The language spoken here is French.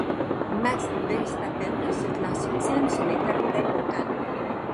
Max Verstappen se classe huitième sur les talons d'Hamilton.